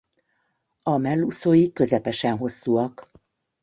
A mellúszói közepesen hosszúak.